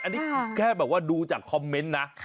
อันนี้แค่แบบว่าดูจากคอมเมนต์นะ